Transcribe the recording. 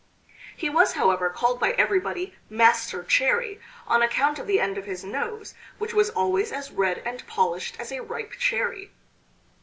He was, however, called by everybody Master Cherry, on account of the end of his nose, which was always as red and polished as a ripe cherry.